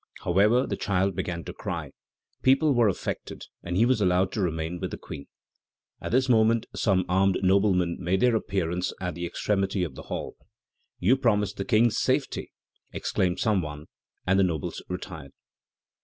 However, the child began to cry, people were affected, and he was allowed to remain with the Queen. At this moment some armed noblemen made their appearance at the extremity of the hall. "You compromise the King's safety!" exclaimed some one, and the nobles retired.